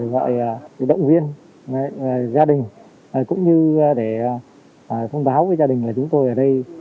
gọi động viên gia đình cũng như để thông báo với gia đình là chúng tôi ở đây